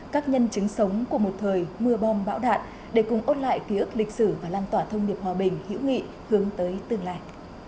các nhân chứng sống của một thời mưa bom bão đạn để cùng ôn lại ký ức lịch sử và lan tỏa thông điệp hòa bình hữu nghị hướng tới tương lai